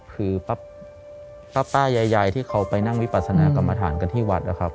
คือป้ายายที่เขาไปนั่งวิปัสนากรรมฐานกันที่วัดนะครับ